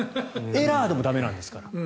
エラーでも駄目なんですから。